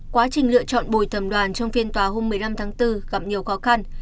quá trình lựa chọn bồi thầm đoàn trong phiên tòa hôm một mươi năm tháng bốn gặp nhiều khó khăn